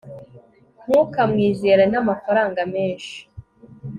ntukamwizere namafaranga menshi